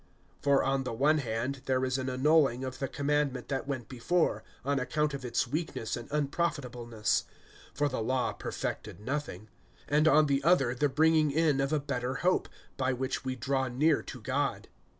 (18)For on the one hand, there is an annulling of the commandment that went before, on account of its weakness and unprofitableness, (19)for the law perfected nothing, and on the other the bringing in of a better hope, by which we draw near to God.